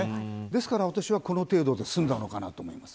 ですから、私はこの程度で済んだのかと思います。